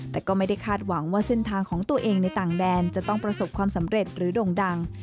แต่ก็ไม่ได้คาดหวังว่าเส้นทางของตัวเองในต่างแดนจะต้องประสบความสำเร็จหรือโด่งดัง